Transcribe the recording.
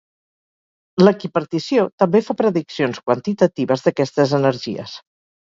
L'equipartició també fa prediccions quantitatives d'aquestes energies.